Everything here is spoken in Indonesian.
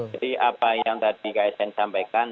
jadi apa yang tadi ksn sampaikan